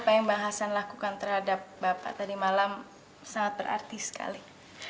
apa yang mbak hasan lakukan terhadap bapak tadi malam sangat berarti sekali